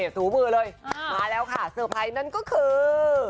ถูมือเลยมาแล้วค่ะเซอร์ไพรส์นั่นก็คือ